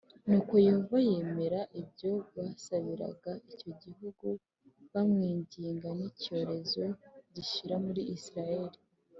nuko Yehova yemera ibyo basabiraga icyo gihugu bamwinginga n icyorezo gishira muri Isirayeli